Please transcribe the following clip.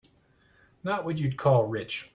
Not what you'd call rich.